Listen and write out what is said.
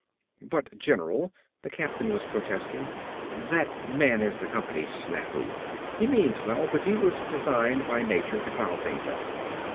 "But, general," the captain was protesting, "that man is the company snafu. He means well but he was designed by nature to foul things up."